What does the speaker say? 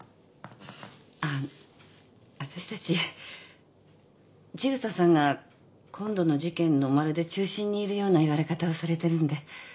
あ私たち千草さんが今度の事件のまるで中心にいるような言われ方をされてるんで。